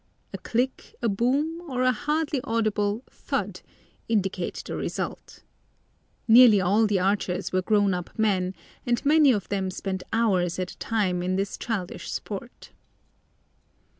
A click, a boom, or a hardly audible "thud," indicate the result. Nearly all the archers were grown up men, and many of them spend hours at a time in this childish sport.